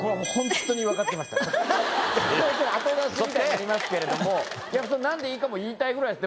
後出しみたいになりますけれどもなんでいいかも言いたいぐらいです。